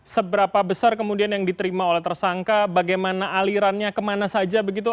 seberapa besar kemudian yang diterima oleh tersangka bagaimana alirannya kemana saja begitu